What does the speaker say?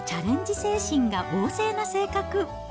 精神が旺盛な性格。